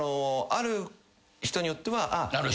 ある人によってはね。